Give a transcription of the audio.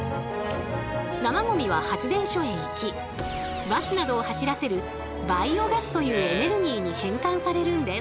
生ゴミは発電所へ行きバスなどを走らせるバイオガスというエネルギーに変換されるんです！